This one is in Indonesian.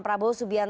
tapi apakah mudah